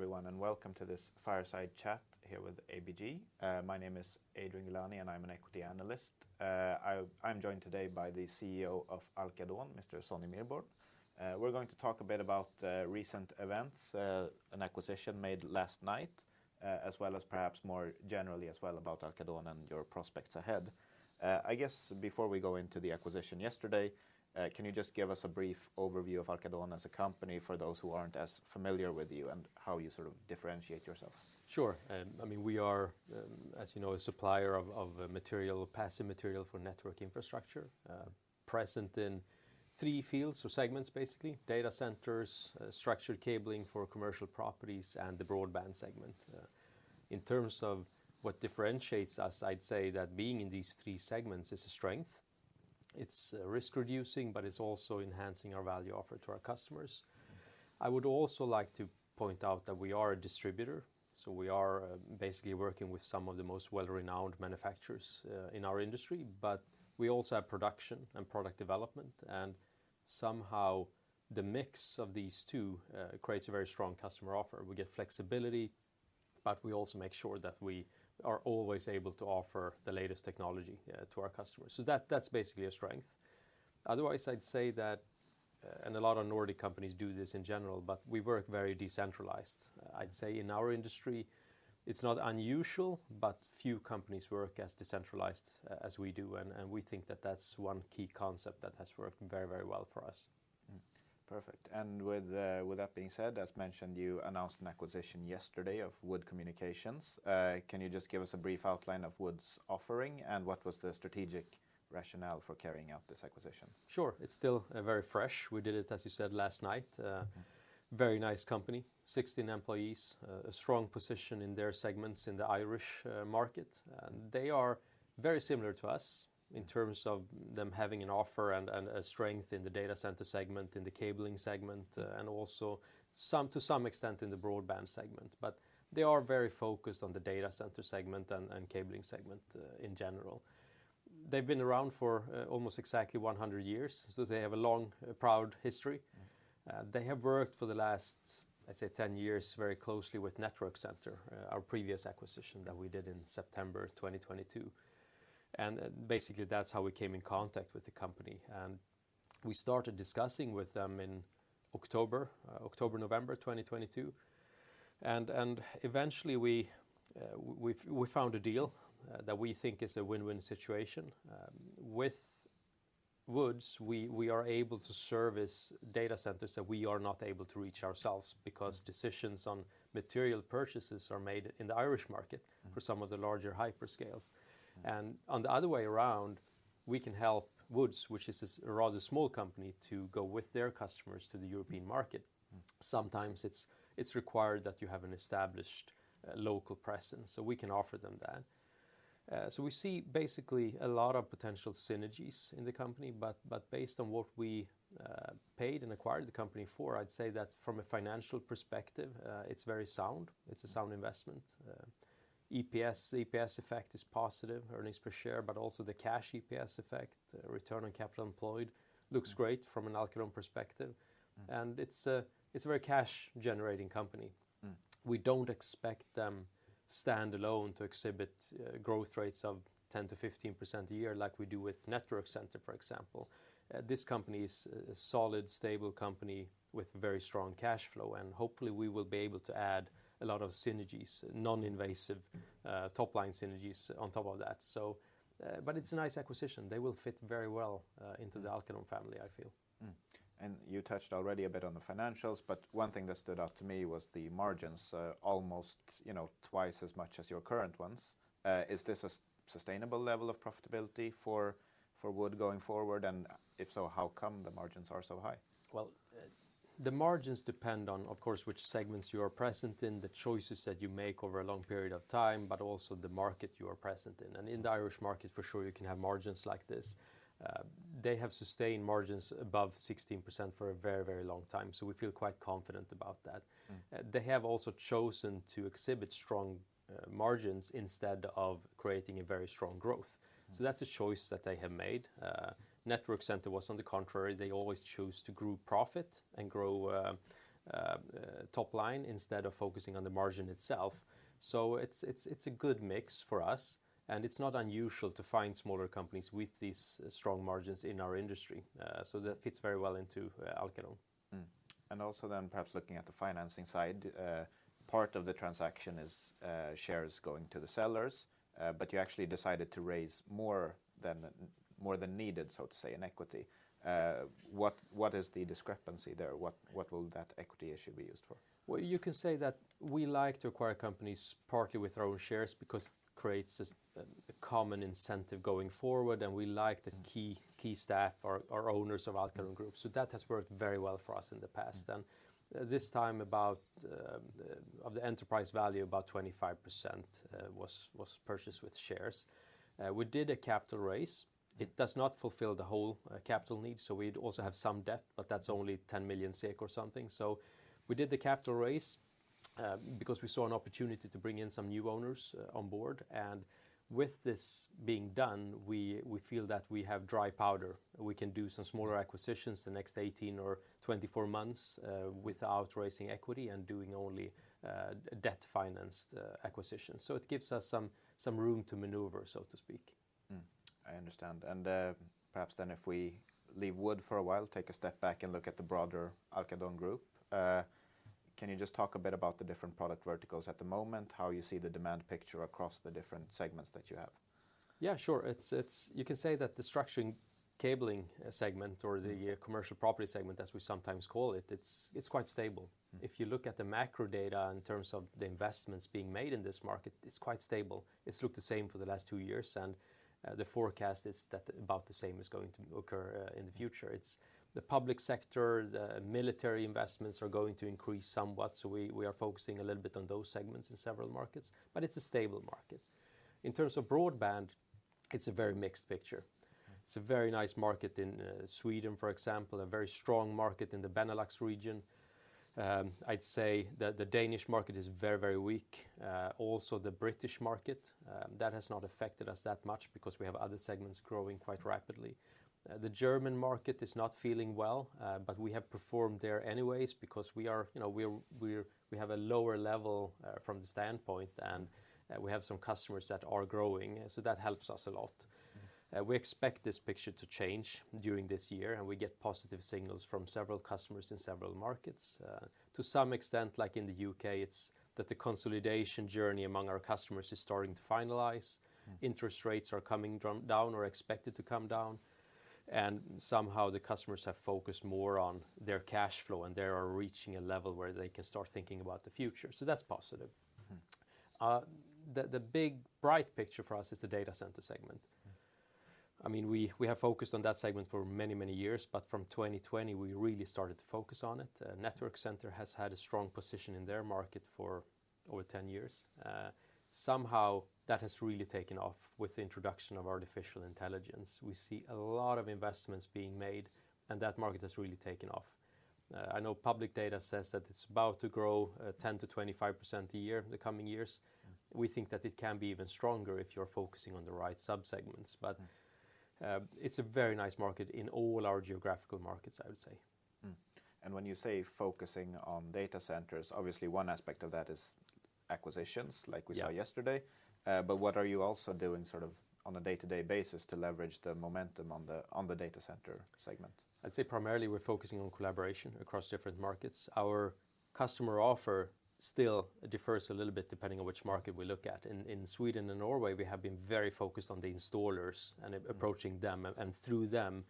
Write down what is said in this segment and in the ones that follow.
Hello, everyone, and welcome to this fireside chat here with ABG. My name is Adrian Gilani, and I'm an equity analyst. I'm joined today by the CEO of Alcadon, Mr. Sonny Mirborn. We're going to talk a bit about recent events, an acquisition made last night, as well as perhaps more generally as well about Alcadon and your prospects ahead. I guess before we go into the acquisition yesterday, can you just give us a brief overview of Alcadon as a company for those who aren't as familiar with you, and how you sort of differentiate yourself? Sure. I mean, we are, as you know, a supplier of material, passive material for network infrastructure, present in three fields or segments, basically: data centers, structured cabling for commercial properties, and the broadband segment. In terms of what differentiates us, I'd say that being in these three segments is a strength. It's risk-reducing, but it's also enhancing our value offer to our customers. I would also like to point out that we are a distributor, so we are basically working with some of the most well-renowned manufacturers in our industry, but we also have production and product development, and somehow the mix of these two creates a very strong customer offer. We get flexibility, but we also make sure that we are always able to offer the latest technology to our customers, so that's basically a strength. Otherwise, I'd say that a lot of Nordic companies do this in general, but we work very decentralized. I'd say in our industry, it's not unusual, but few companies work as decentralized as we do, and we think that that's one key concept that has worked very, very well for us. Perfect, and with that being said, as mentioned, you announced an acquisition yesterday of Wood Communications. Can you just give us a brief outline of Wood's offering, and what was the strategic rationale for carrying out this acquisition? Sure. It's still very fresh. We did it, as you said, last night. Very nice company, 16 employees, a strong position in their segments in the Irish market. They are very similar to us in terms of them having an offer and a strength in the data center segment, in the cabling segment, and also to some extent in the broadband segment, but they are very focused on the data center segment and cabling segment in general. They've been around for almost exactly 100 years, so they have a long, proud history. Mm. They have worked for the last, I'd say, 10 years very closely with Networks Centre, our previous acquisition that we did in September 2022, and basically, that's how we came in contact with the company. We started discussing with them in October, November 2022, and eventually, we found a deal that we think is a win-win situation. With Wood, we are able to service data centers that we are not able to reach ourselves because decisions on material purchases are made in the Irish market- Mm... for some of the larger hyperscales. Mm. On the other way around, we can help Wood, which is a rather small company, to go with their customers to the European market. Mm. Sometimes it's required that you have an established local presence, so we can offer them that. So we see basically a lot of potential synergies in the company, but based on what we paid and acquired the company for, I'd say that from a financial perspective, it's very sound. It's a sound investment. EPS effect is positive, earnings per share, but also the cash EPS effect, return on capital employed- Mm... looks great from an Alcadon perspective. Mm. It's a very cash-generating company. Mm. We don't expect them standalone to exhibit growth rates of 10%-15% a year like we do with Networks Centre, for example. This company is a solid, stable company with very strong cash flow, and hopefully, we will be able to add a lot of synergies, non-invasive top-line synergies on top of that. But it's a nice acquisition. They will fit very well into the Alcadon family, I feel. You touched already a bit on the financials, but one thing that stood out to me was the margins, almost, you know, twice as much as your current ones. Is this a sustainable level of profitability for WOOD going forward, and if so, how come the margins are so high? Well, the margins depend on, of course, which segments you are present in, the choices that you make over a long period of time, but also the market you are present in. And in the Irish market, for sure, you can have margins like this. They have sustained margins above 16% for a very, very long time, so we feel quite confident about that. Mm. They have also chosen to exhibit strong margins instead of creating a very strong growth. Mm. So that's a choice that they have made. Networks Centre was on the contrary. They always chose to grow profit and grow top line instead of focusing on the margin itself. So it's a good mix for us, and it's not unusual to find smaller companies with these strong margins in our industry. So that fits very well into Alcadon. Also then perhaps looking at the financing side, part of the transaction is shares going to the sellers, but you actually decided to raise more than, more than needed, so to say, in equity. What, what is the discrepancy there? What, what will that equity issue be used for? Well, you can say that we like to acquire companies partly with our own shares because creates a common incentive going forward, and we like the key- Mm... key staff or owners of Alcadon Group, so that has worked very well for us in the past. Mm. This time, about 25% of the enterprise value was purchased with shares. We did a capital raise. It does not fulfill the whole capital needs, so we'd also have some debt, but that's only 10 million SEK or something. So we did the capital raise because we saw an opportunity to bring in some new owners on board. With this being done, we feel that we have dry powder, and we can do some smaller acquisitions the next 18 or 24 months without raising equity and doing only debt-financed acquisitions. So it gives us some room to maneuver, so to speak. Mm. I understand. And, perhaps then if we leave wood for a while, take a step back and look at the broader Alcadon Group, can you just talk a bit about the different product verticals at the moment, how you see the demand picture across the different segments that you have? Yeah, sure. It's you can say that the structured cabling segment or the commercial property segment, as we sometimes call it. It's quite stable. Mm. If you look at the macro data in terms of the investments being made in this market, it's quite stable. It's looked the same for the last two years, and the forecast is that about the same is going to occur in the future. It's the public sector. The military investments are going to increase somewhat, so we are focusing a little bit on those segments in several markets, but it's a stable market. In terms of broadband, it's a very mixed picture. Mm. It's a very nice market in Sweden, for example, a very strong market in the Benelux region. I'd say that the Danish market is very, very weak, also the British market. That has not affected us that much because we have other segments growing quite rapidly. The German market is not feeling well, but we have performed there anyways because we are, you know, we have a lower level from the standpoint, and we have some customers that are growing, so that helps us a lot. Mm. We expect this picture to change during this year, and we get positive signals from several customers in several markets. To some extent, like in the UK, it's that the consolidation journey among our customers is starting to finalize. Mm. Interest rates are coming down or expected to come down, and somehow the customers have focused more on their cash flow, and they are reaching a level where they can start thinking about the future, so that's positive. Mm. The big, bright picture for us is the data center segment. Mm. I mean, we have focused on that segment for many, many years, but from 2020, we really started to focus on it. Networks Centre has had a strong position in their market for over 10 years. Somehow, that has really taken off with the introduction of artificial intelligence. We see a lot of investments being removed, and that market has really taken off. I know public data says that it's about to grow 10%-25% a year in the coming years. Mm. We think that it can be even stronger if you're focusing on the right sub-segments. Mm... but, it's a very nice market in all our geographical markets, I would say. When you say focusing on data centers, obviously one aspect of that is acquisitions, like we saw- Yeah... yesterday. But what are you also doing, sort of, on a day-to-day basis to leverage the momentum on the data center segment? I'd say primarily we're focusing on collaboration across different markets. Our customer offer still differs a little bit, depending on which market we look at. In Sweden and Norway, we have been very focused on the installers and approaching them, and through them,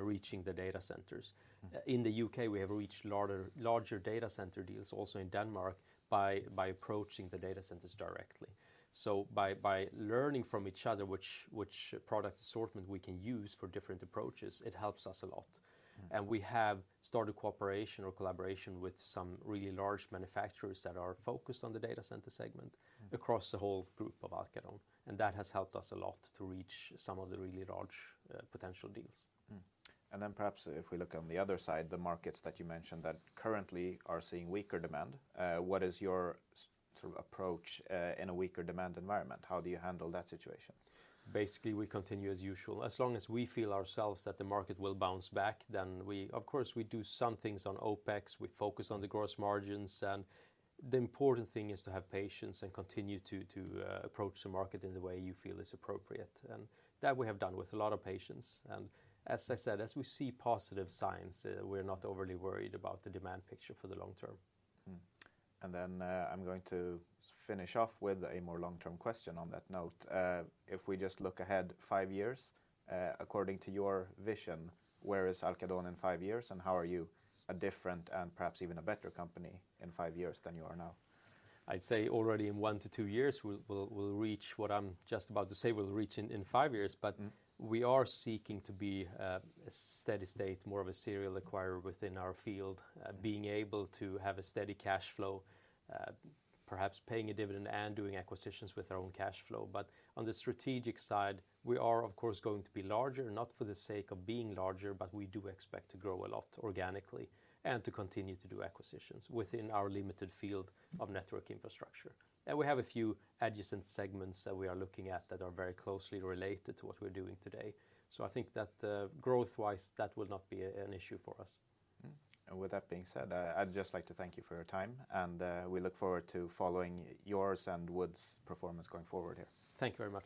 reaching the data centers. Mm. In the UK, we have reached larger data center deals, also in Denmark, by approaching the data centers directly. So by learning from each other which product assortment we can use for different approaches, it helps us a lot. Mm. We have started cooperation or collaboration with some really large manufacturers that are focused on the data center segment. Mm... across the whole group of Alcadon, and that has helped us a lot to reach some of the really large, potential deals. And then perhaps if we look on the other side, the markets that you mentioned that currently are seeing weaker demand, what is your sort of approach in a weaker demand environment? How do you handle that situation? Basically, we continue as usual. As long as we feel ourselves that the market will bounce back, then we... Of course, we do some things on OpEx. We focus on the gross margins. The important thing is to have patience and continue to approach the market in the way you feel is appropriate, and that we have done with a lot of patience. As I said, as we see positive signs, we're not overly worried about the demand picture for the long term. Mm. And then, I'm going to finish off with a more long-term question on that note. If we just look ahead five years, according to your vision, where is Alcadon in five years, and how are you a different and perhaps even a better company in five years than you are now? I'd say already in 1-2 years, we'll reach what I'm just about to say we'll reach in 5 years. Mm. We are seeking to be a steady state, more of a serial acquirer within our field- Mm... being able to have a steady cash flow, perhaps paying a dividend and doing acquisitions with our own cash flow. But on the strategic side, we are, of course, going to be larger, not for the sake of being larger, but we do expect to grow a lot organically and to continue to do acquisitions within our limited field of network infrastructure. And we have a few adjacent segments that we are looking at that are very closely related to what we're doing today. So I think that, growth-wise, that will not be an issue for us. Mm. And with that being said, I'd just like to thank you for your time, and we look forward to following yours and Wood's performance going forward here. Thank you very much.